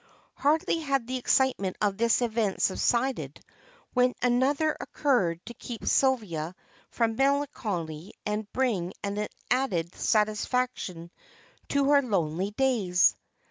Hardly had the excitement of this event subsided when another occurred to keep Sylvia from melancholy and bring an added satisfaction to her lonely days.